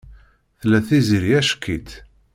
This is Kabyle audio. Tella Tiziri ack-itt.